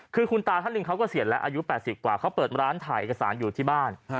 คือคุณตาท่านหนึ่งเขาเกษียณแล้วอายุ๘๐กว่าเขาเปิดร้านถ่ายเอกสารอยู่ที่บ้าน